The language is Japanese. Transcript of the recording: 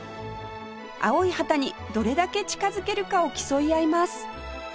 青い旗にどれだけ近づけるかを競い合います